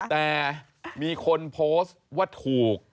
แต่มีคนโพสต์ว่าถูก